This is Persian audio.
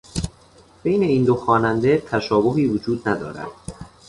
بین این دو خواننده تشابهی وجود ندارد.